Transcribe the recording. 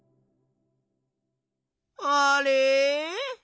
あれ？